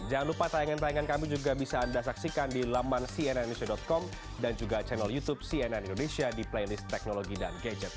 jangan lupa tayangan tayangan kami juga bisa anda saksikan di laman cnnindonesia com dan juga channel youtube cnn indonesia di playlist teknologi dan gadget